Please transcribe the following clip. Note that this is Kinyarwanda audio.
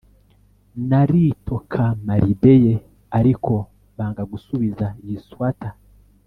naritokamaribeye, ariko banga gusubiza iyi swater